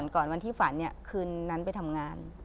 ก่อนวันที่ฝันคืนนั้นไปทำงาน